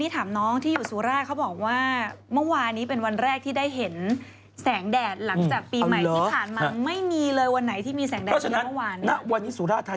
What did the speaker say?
แต่เขาบอกว่าวันนี้ถามน้องที่อยู่สุรา